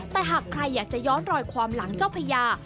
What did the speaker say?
แต่หากใครอยากจะย้อนรอยความหลังเจ้าพญา